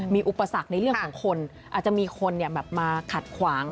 มีอุปสรรคในเรื่องของคนอาจจะมีคนมาขัดขวาง